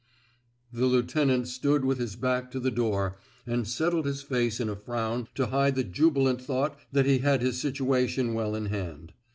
!!" The lieutenant stood with his back to the door and settled his face in a frown to hide the jubilant thought that he had his situation well in hand.